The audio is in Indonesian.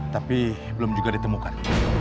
tapi belum juga ditemukan